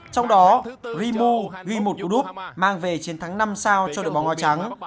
trong đó rimu ghi một cú đúc mang về chiến thắng năm sao cho đội bóng hoa trắng